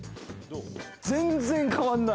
全然変わんない。